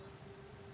coba ditanya aja